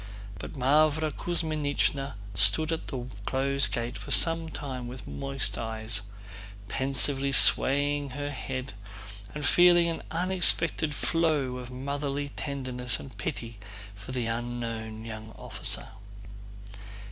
But Mávra Kuzmínichna stood at the closed gate for some time with moist eyes, pensively swaying her head and feeling an unexpected flow of motherly tenderness and pity for the unknown young officer.